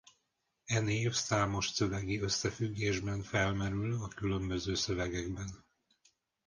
E név számos szövegi összefüggésben felmerül a különböző szövegekben.